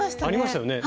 ありましたね。